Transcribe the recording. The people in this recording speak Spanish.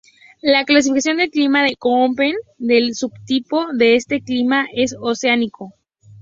La clasificación del clima de Köppen del subtipo de este clima es oceánico.